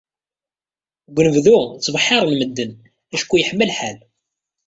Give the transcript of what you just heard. Deg undebdu, ttbeḥḥiren medden, acku iḥma lḥal